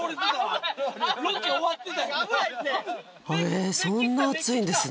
えっそんな熱いんですね